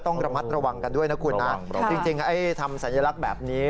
ต้องระมัดระวังกันด้วยนะคุณนะจริงไอ้ทำสัญลักษณ์แบบนี้